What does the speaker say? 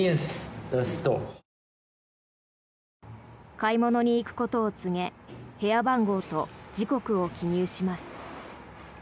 買い物に行くことを告げ部屋番号と時刻を記入します。